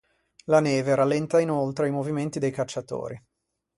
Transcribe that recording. La neve rallenta inoltre i movimenti dei cacciatori.